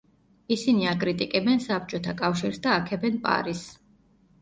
ისინი აკრიტიკებენ საბჭოთა კავშირს და აქებენ პარიზს.